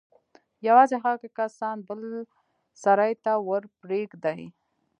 يوازې هغه کسان بل سراى ته ورپرېږدي.